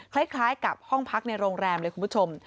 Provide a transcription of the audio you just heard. คล้ายกับห้องพักในโรงแรมเลยคุณผู้ชม